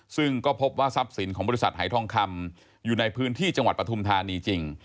ซึ่งก็พบว่าทรัพย์สินของบริษัทหายทองคำอยู่ในพื้นที่จังหวัดปฐุมธานีจริง